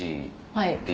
はい。